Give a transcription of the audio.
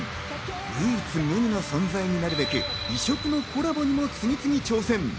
唯一無二の存在になるべく異色のコラボにも次々挑戦。